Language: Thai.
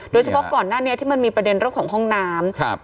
โดยเฉพาะก่อนหน้านี้ที่มันมีประเด็นเรื่องของห้องน้ำ